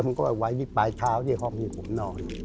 ผมก็ไว้ปลายเท้าที่ห้องนี้ผมนอน